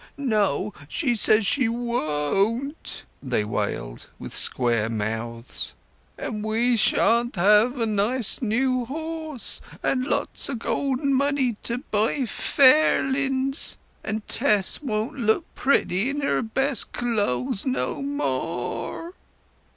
—no, she says she wo o on't!" they wailed, with square mouths. "And we shan't have a nice new horse, and lots o' golden money to buy fairlings! And Tess won't look pretty in her best cloze no mo o ore!"